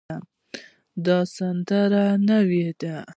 دا سندره نوې ده